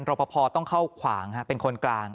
รอปภต้องเข้าขวางเป็นคนกลาง